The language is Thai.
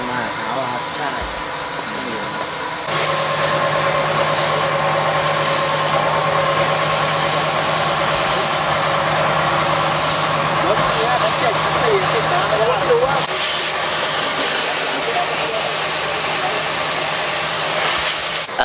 และอันดับสุดท้ายประเทศอเมริกา